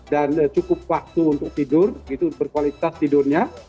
dan cukup waktu untuk tidur gitu berkualitas tidurnya